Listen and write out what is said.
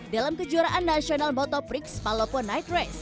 dalam kejuaraan nasional motorbricks palopo night race